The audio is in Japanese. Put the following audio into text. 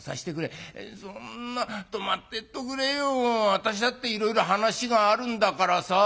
私だっていろいろ話があるんだからさ」。